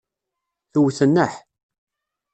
Twet nneḥ.